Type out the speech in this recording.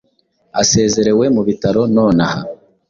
asezerewe mu bitaro nonaha